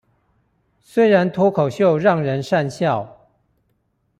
雖然脫口秀讓人訕笑